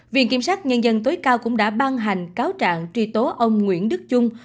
viện kiểm sát nhân dân tối cao cũng đã ban hành cáo trạng truy tố ông nguyễn đức trung